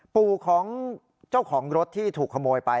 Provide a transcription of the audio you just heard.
ปู่ของเจ้าของรถที่ถูกขโมยไป